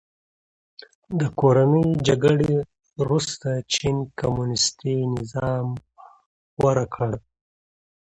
د کورنۍ جګړې وروسته چین کمونیستي نظام غوره کړ.